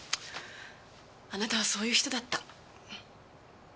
あなたはそういう人だった。